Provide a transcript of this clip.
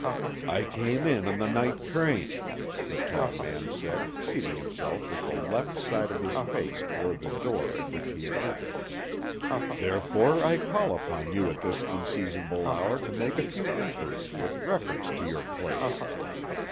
"I came in on the night train," the tall man said, seating himself with the left side of his face toward the door at which he had entered; "therefore I call upon you at this unseasonable hour to make a few inquiries with reference to your place.